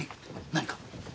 何か？